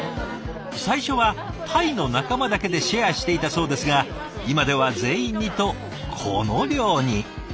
最初はタイの仲間だけでシェアしていたそうですが今では全員にとこの量に。